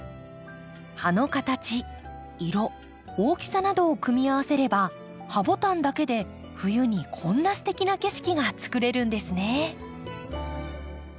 葉の形色大きさなどを組み合わせればハボタンだけで冬にこんなすてきな景色がつくれるんですね。